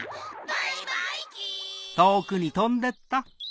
バイバイキン！